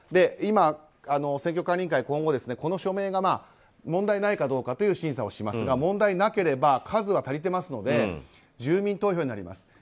今、選挙管理委員会は今後この署名が問題ないかという審査をしますが問題なければ数は足りてますので住民投票になります。